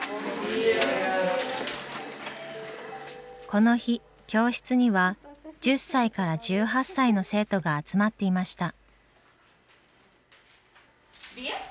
この日教室には１０歳から１８歳の生徒が集まっていました。